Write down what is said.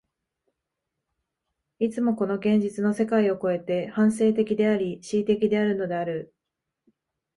いつもこの現実の世界を越えて、反省的であり、思惟的であるのである。